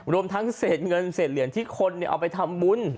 รวมทั้งเศษเงินเศษเหรียญที่คนเอาไปทำบุญ